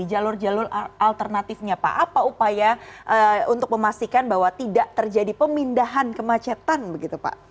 jalur jalur alternatifnya pak apa upaya untuk memastikan bahwa tidak terjadi pemindahan kemacetan begitu pak